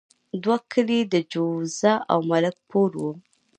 دوه کلي د جوزه او ملک پور وو.